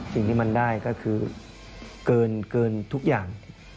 สิ่งที่มันได้ก็คือเกินทุกอย่าง